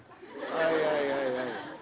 はいはいはいはい。